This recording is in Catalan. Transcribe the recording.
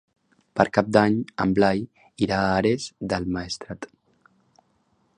Per Cap d'Any en Blai irà a Ares del Maestrat.